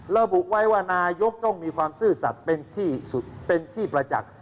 ระบุไว้ว่านายกต้องมีความซื่อสรรค์เป็นที่ประจักษ์